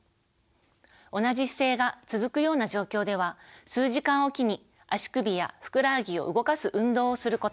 同じ姿勢が続くような状況では数時間おきに足首やふくらはぎを動かす運動をすること。